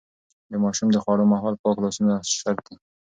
د ماشوم د خوړو مهال پاک لاسونه شرط دي.